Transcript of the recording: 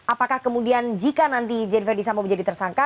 apakah kemudian jika nanti irjen ferdisambo menjadi tersangka